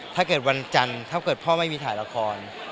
ถ้าเกิดวันจันทร์ถ้าเกิดพ่อไม่มีถ่ายละคร